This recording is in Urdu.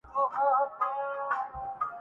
میں صرف آرام کرتا ہوں۔